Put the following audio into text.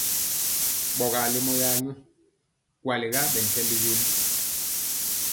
Ɓɔgaa lemɔ ya nyɔ, kwaliga ɓɛntɛmbi wen.